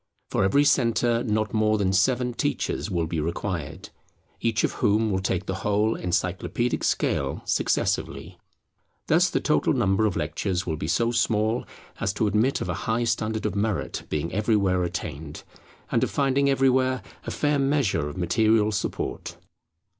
For every centre not more than seven teachers will be required; each of whom will take the whole Encyclopædic scale successively. Thus the total number of lectures will be so small as to admit of a high standard of merit being everywhere attained, and of finding everywhere a fair measure of material support.